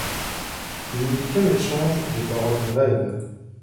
Il n'y eut qu'un échange de paroles brèves.